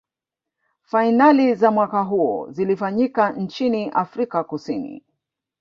fainali za mwaka huo zilifanyika nchini afrika kusini